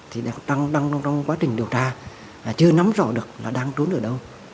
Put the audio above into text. thì đang trong quá trình điều tra chưa nắm rõ được là đang trốn ở đâu